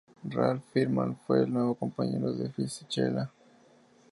Ralph Firman fue el nuevo compañero de Fisichella.